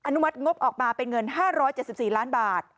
นุมัติงบออกมาเป็นเงิน๕๗๔ล้านบาท